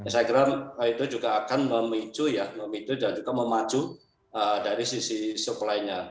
saya kira itu juga akan memicu ya memicu dan juga memacu dari sisi supply nya